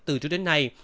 từ trước đến nay